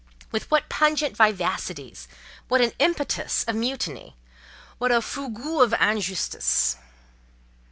With what pungent vivacities—what an impetus of mutiny—what a "fougue" of injustice!